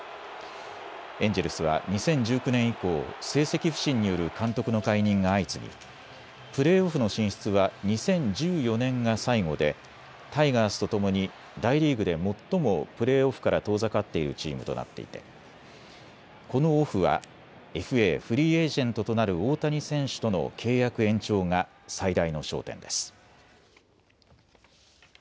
エンジェルスは２０１９年以降、成績不振による監督の解任が相次ぎプレーオフの進出は２０１４年が最後でタイガースとともに大リーグで最もプレーオフから遠ざかっているチームとなっていてこのオフはＦＡ・フリーエージェントとなる大谷選手との契約延長が最大の焦点です。